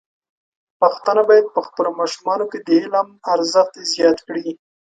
پښتانه بايد په خپلو ماشومانو کې د علم ارزښت زیات کړي.